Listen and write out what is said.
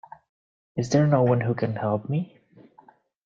Is there no one who can help me?